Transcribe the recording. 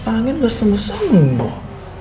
angin gak sembuh sembuh